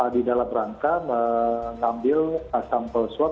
di dalam rangka mengambil sampel swab